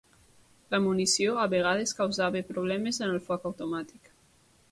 La munició a vegades causava problemes en el foc automàtic.